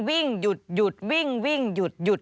วิ่งหยุดวิ่งวิ่งหยุด